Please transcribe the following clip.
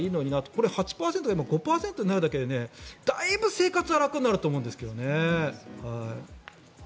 これ、８％から５％になるだけでだいぶ生活は楽になると思うんですけどね。